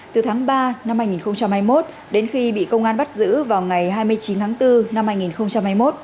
từ tháng ba năm hai nghìn hai mươi một đến khi bị công an bắt giữ vào ngày hai mươi chín tháng bốn năm hai nghìn hai mươi một